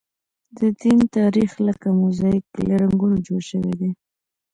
د دین تاریخ لکه موزاییک له رنګونو جوړ شوی دی.